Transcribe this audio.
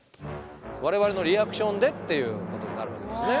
我々のリアクションでっていうことになるわけですね。